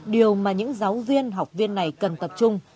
điều mà những giáo viên học viên này cần tập trung